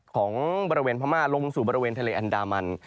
ของบริเวณพม่าลงสู่บริเวณทะเลอันดามัน